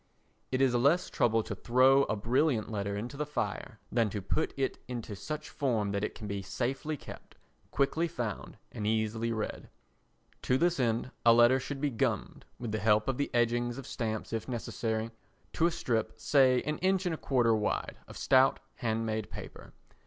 It is less trouble to throw a brilliant letter into the fire than to put it into such form that it can be safely kept, quickly found and easily read. To this end a letter should be gummed, with the help of the edgings of stamps if necessary, to a strip, say an inch and a quarter wide, of stout hand made paper.